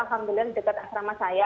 alhamdulillah dekat asrama saya